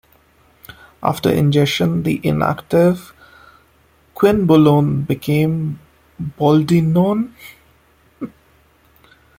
After ingestion, the inactive quinbolone becomes boldenone.